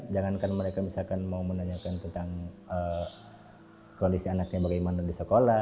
jangankan mereka misalkan mau menanyakan tentang kondisi anaknya bagaimana di sekolah